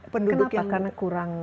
penduduk yang kenapa karena kurang